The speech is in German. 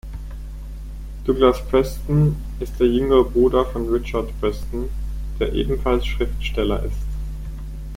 Douglas Preston ist der jüngere Bruder von Richard Preston, der ebenfalls Schriftsteller ist.